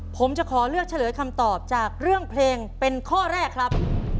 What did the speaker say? ผมจะขอเลือกเฉลยคำตอบจากเรื่องเพลงเป็นข้อแรกครับ